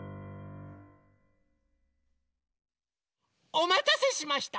おまたせしました！